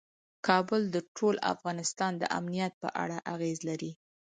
کابل د ټول افغانستان د امنیت په اړه اغېز لري.